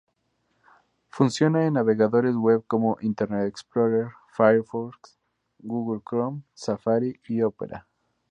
Funciona en navegadores web como Internet Explorer, Firefox, Google Chrome, Safari y Opera.